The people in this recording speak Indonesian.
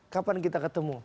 kapan kita ketemu